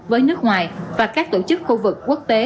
với nước ngoài và các tổ chức khu vực quốc tế